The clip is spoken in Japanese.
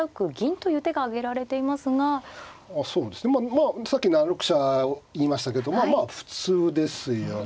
まあさっき７六飛車を言いましたけどまあ普通ですよね。